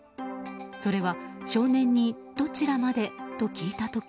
それは、少年にどちらまで？と聞いた時。